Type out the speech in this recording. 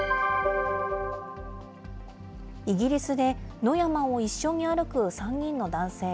イギリスで野山を一緒に歩く３人の男性。